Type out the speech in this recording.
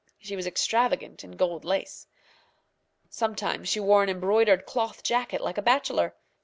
She was extravagant in gold lace. Sometimes she wore an embroidered cloth jacket like a bachelor.